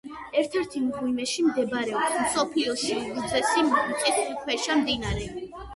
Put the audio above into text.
ერთ-ერთ მღვიმეში მდებარეობს მსოფლიოში უგრძესი მიწისქვეშა მდინარე.